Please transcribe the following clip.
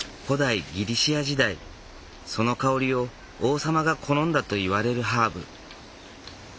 古代ギリシャ時代その香りを王様が好んだといわれるハーブ。